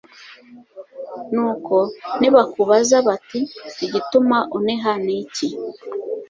nuko nibakubaza bati igituma uniha ni iki